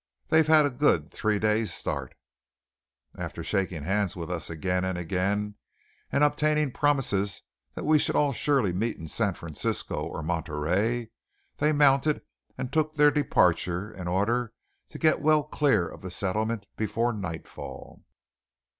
They've had a good three days' start." After shaking hands with us again and again, and obtaining promises that we should all surely meet in San Francisco or Monterey, they mounted and took their departure in order to get well clear of the settlement before nightfall.